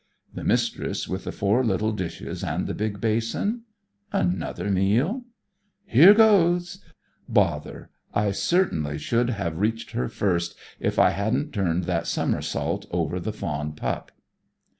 The Mistress, with the four little dishes and the big basin? Another meal? Here goes! Bother! I should certainly have reached her first, if I hadn't turned that somersault over the fawn pup!